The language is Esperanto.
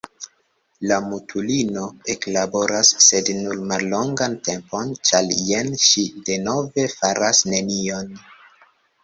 La mutulino eklaboras, sed nur mallongan tempon, ĉar jen ŝi denove faras nenion.